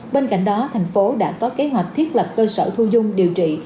bên cạnh đó thành phố đã có kế hoạch thiết lập cơ sở thu dung điều trị